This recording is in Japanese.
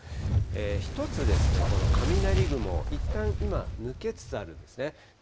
１つ、この雷雲、いったん今、抜けつつあるんですね。